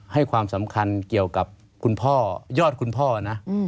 ให้ความสำคัญเกี่ยวกับคุณพ่อยอดคุณพ่อนะ